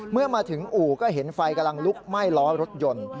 เมื่อมาถึงอู่ก็เห็นไฟกำลังลุกไหม้ล้อรถยนต์